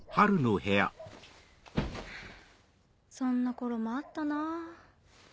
そんな頃もあったなぁ。